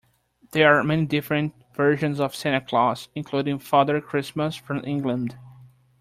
There are many different versions of Santa Claus, including Father Christmas from England